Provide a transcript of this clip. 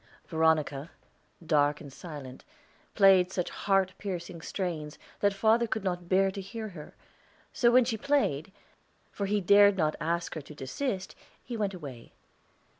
Veronica, dark and silent, played such heart piercing strains that father could not bear to hear her; so when she played, for he dared not ask her to desist, he went away.